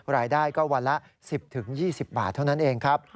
รายได้ก็วันละ๑๐๒๐บาทเท่านั้นเองครับ